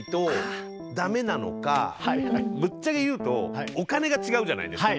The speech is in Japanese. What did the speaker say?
でもぶっちゃけ言うとお金が違うじゃないですか。